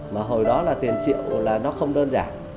mà hồi đó là tiền triệu là nó không đơn giản